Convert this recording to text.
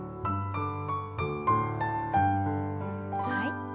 はい。